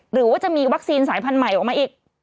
หรือว่าจะมีวัคซีนสายพันธุ์ใหม่ออกมาอีก